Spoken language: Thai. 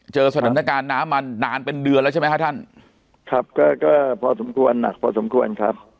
เจอสถานการณ์น้ำมันนานเป็นเดือนแล้วใช่ไหมฮะท่านครับก็ก็พอสมควรหนักพอสมควรครับ